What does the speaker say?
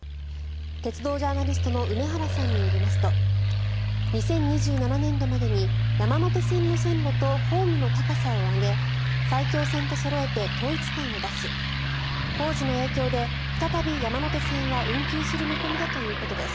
鉄道ジャーナリストの梅原さんによりますと２０２７年度までに山手線の線路とホームの高さを上げ埼京線とそろえて統一感を出す工事の影響で再び山手線は運休する見込みだということです。